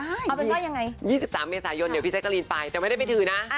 เอาเป็นว่ายังไง๒๓เมษายนเดี๋ยวพี่แจกรีนไปแต่ไม่ได้ไปถือนะ